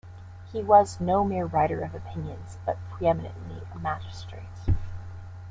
He was no mere writer of opinions, but preeminently a magistrate.